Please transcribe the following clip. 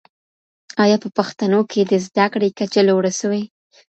آیا په پښتنو کي د زده کړې کچه لوړه سوې؟